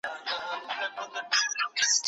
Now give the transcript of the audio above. مسلمان او ذمي په قانون کي برابر دي.